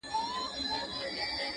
تور زهر دې د دوو سترگو له ښاره راوتلي~